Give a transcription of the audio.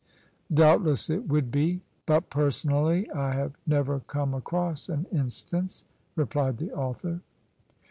" Doubtless it would be : but personally I have never come across an instance," replied the author.